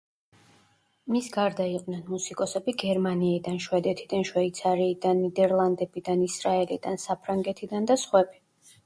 მის გარდა იყვნენ, მუსიკოსები გერმანიიდან, შვედეთიდან, შვეიცარიიდან, ნიდერლანდებიდან, ისრაელიდან, საფრანგეთიდან და სხვები.